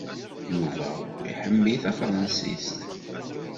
Yuba iḥemmel tafṛansist.